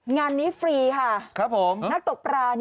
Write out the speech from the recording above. งานนี้ฟรีค่ะครับผมมั้งนักตกปลา